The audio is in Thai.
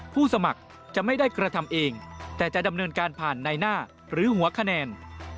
ผู้สมัครจะไม่ได้กระทำเองแต่จะดำเนินการผ่านในหน้าหรือหัวคะแนน